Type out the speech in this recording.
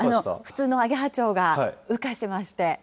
普通のアゲハチョウが羽化しまして。